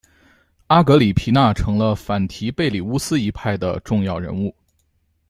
阿格里皮娜成了反提贝里乌斯一派的重要人物。